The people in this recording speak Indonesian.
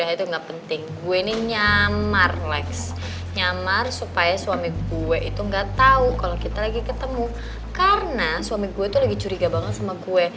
karena suami gue tuh lagi curiga banget sama gue